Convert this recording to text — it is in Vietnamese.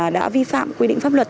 đã vi phạm quy định pháp luật